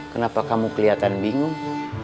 kenapa kamu kelihatan bingung